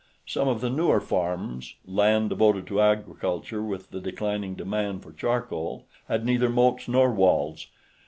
Some of the newer farms, land devoted to agriculture with the declining demand for charcoal, had neither moats nor walls.